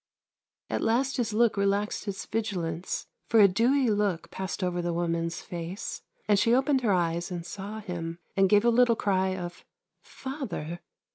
At last his look relaxed its vigilance, for a dewy look passed over the woman's face, and she opened her eyes and saw him, and gave a little cry of " Father